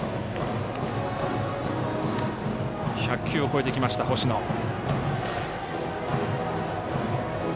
１００球を超えてきました、星野。